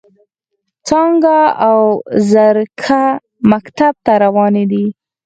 څانګه او زرکه مکتب ته روانې دي.